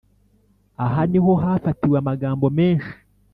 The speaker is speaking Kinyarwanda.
ahaniho hafatiwe amagambo menshi